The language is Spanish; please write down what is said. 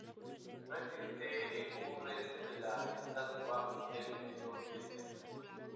No existe ningún resto de la estatua o del interior del templo.